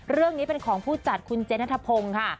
เรื่องนี้เป็นของผู้จัดคุณเจนัทพงศ์ค่ะ